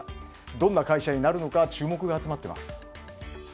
どんな会社になるのか注目が集まっています。